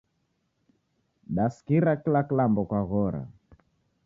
Dasikira kila kilambo kwaghora